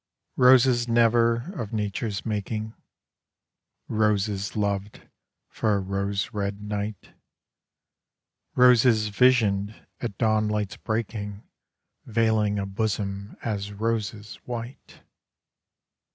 Roses never of nature's making, Roses loved for a rose red night, Roses visioned at dawn light's breaking Veiling a bosom as roses white!